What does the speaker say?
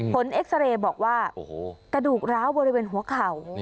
เอ็กซาเรย์บอกว่ากระดูกร้าวบริเวณหัวเข่า